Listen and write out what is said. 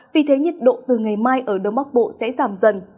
vì thế nhiệt độ từ ngày mai ở đông bắc bộ sẽ giảm dần